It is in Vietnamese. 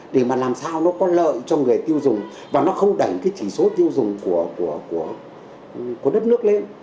để mà làm sao nó có lợi cho người tiêu dùng và nó không đẩy cái chỉ số tiêu dùng của đất nước lên